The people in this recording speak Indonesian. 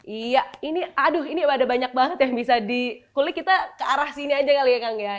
iya ini aduh ini ada banyak banget yang bisa dikulik kita ke arah sini aja kali ya kang ya